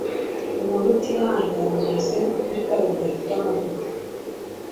Umuntu utihangana ameze nkitara ridafite amavuta.